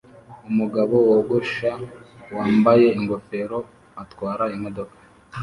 umugabo wogosha wambaye ingofero atwara imodoka